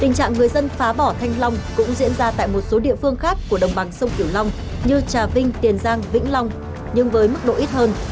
tình trạng người dân phá bỏ thanh long cũng diễn ra tại một số địa phương khác của đồng bằng sông kiểu long như trà vinh tiền giang vĩnh long nhưng với mức độ ít hơn